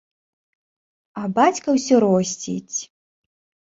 А бацька ўсё росціць.